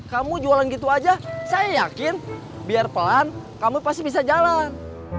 kamu jualan gitu aja saya yakin biar pelan kamu pasti bisa jalan